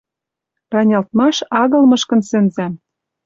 Ранялтмаш агыл мышкын сӹнзӓм